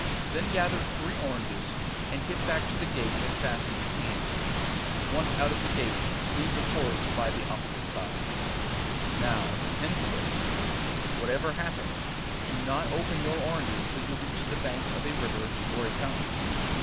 Then gather three oranges, and get back to the gate as fast as you can. Once out of the gate, leave the forest by the opposite side. 'Now, attend to this: whatever happens, do not open your oranges till you reach the bank of a river, or a fountain.